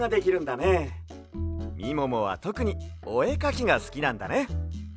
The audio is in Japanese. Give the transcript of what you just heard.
みももはとくにおえかきがすきなんだね。